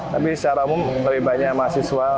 tapi secara umum lebih banyak mahasiswa